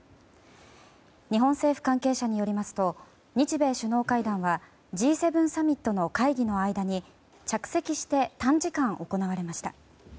日本政府関係者によりますと日米首脳会談はＧ７サミットの会議の間に着席して短時間行われました。